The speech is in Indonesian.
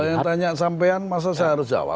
yang tanya sampean masa saya harus jawab